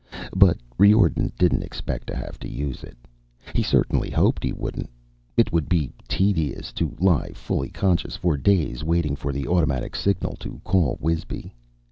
But Riordan didn't expect to have to use it. He certainly hoped he wouldn't. It would be tedious to lie fully conscious for days waiting for the automatic signal to call Wisby.